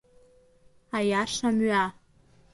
Аиаша мҩа!